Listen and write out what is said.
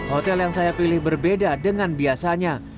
hotel yang saya pilih berbeda dengan biasanya